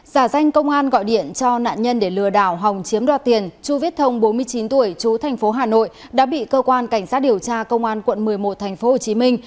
giả danh công an gọi điện cho nạn nhân để lừa đảo hồng chiếm đoạt tiền chú viết thông bốn mươi chín tuổi chú tp hà nội đã bị cơ quan cảnh sát điều tra công an quận một mươi một tp hồ chí minh